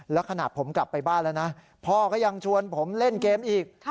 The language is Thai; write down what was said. แล้วขนาดผมกลับไปบ้านแล้วนะพ่อก็ยังชวนผมเล่นเกมอีก